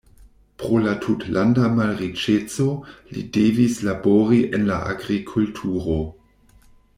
Pro la tutlanda malriĉeco li devis labori en la agrikulturo.